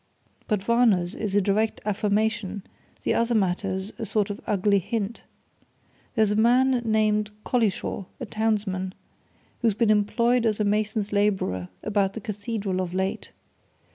But Varner's is a direct affirmation the other matter's a sort of ugly hint. There's a man named Collishaw, a townsman, who's been employed as a mason's labourer about the Cathedral of late.